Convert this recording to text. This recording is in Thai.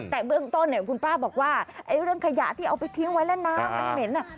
แต่เบื้องต้นเนี่ยคุณป้าบอกว่าเรื่องขยะที่เอาไปทิ้งไว้แล้วน้ำมันเหม็น